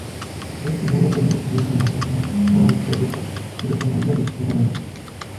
De este modo, pueden recibir financiación para sus proyectos directamente de sus seguidores.